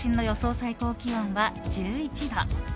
最高気温は１１度。